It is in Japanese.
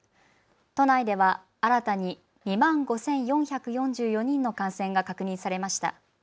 都内では新たに２万５４４４人の感染が確認されました。